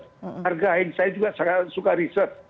hargain saya juga suka riset